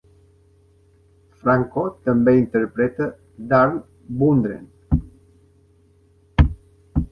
Franco també interpreta Darl Bundren.